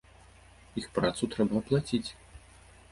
Іх працу трэба аплаціць.